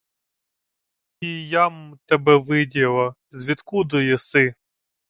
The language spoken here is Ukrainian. — І я-м тебе виділа. Звідкуду єси?